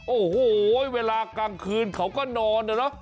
โอ้โหเวลากลางคืนเขาก็นอนนะเนอะ